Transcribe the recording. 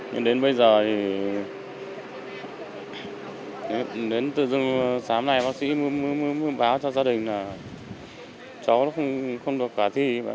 nhưng đến bây giờ thì đến tự dưng sáng nay bác sĩ mới báo cho gia đình là cháu nó không được cả thi